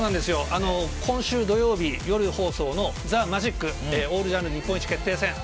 今週土曜日夜放送の「ＴＨＥＭＡＧＩＣオールジャンル日本一決定戦」。